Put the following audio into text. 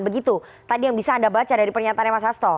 begitu tadi yang bisa anda baca dari pernyataannya mas hasto